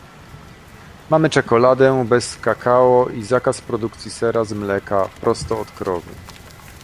Mamy czekoladę bez kakao i zakaz produkcji sera z mleka prosto od krowy